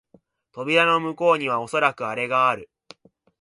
扉の向こうにはおそらくアレがある